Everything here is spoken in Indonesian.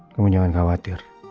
kamu jangan khawatir